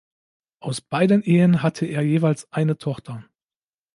Aus beiden Ehen hatte er jeweils eine Tochter.